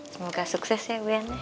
semoga sukses ya buya